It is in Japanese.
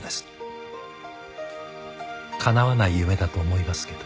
かなわない夢だと思いますけど。